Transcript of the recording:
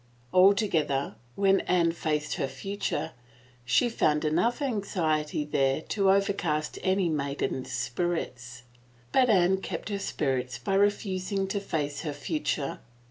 Altogether, when Anne faced her future, she found enough anxiety there to overcast any maiden's spirits, but Anne kept her spirits by refusing to face her future.